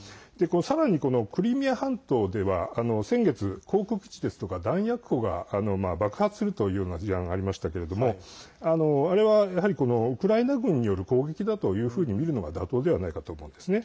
さらに、クリミア半島では先月、航空基地ですとか弾薬庫が爆発するというような事案がありましたけれどもあれは、やはりウクライナ軍による攻撃だというふうに見るのが妥当ではないかと思うんですね。